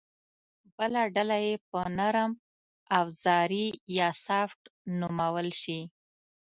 بله ډله یې به نرم اوزاري یا سافټ نومول شي